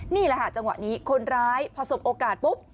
นี่แหละค่ะจังหวะนี้คนร้ายพอสบโอกาสปุ๊บ